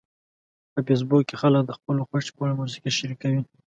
په فېسبوک کې خلک د خپلو خوښې وړ موسیقي شریکوي